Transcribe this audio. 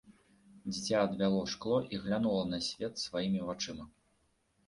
Дзіця адвяло шкло і глянула на свет сваімі вачыма.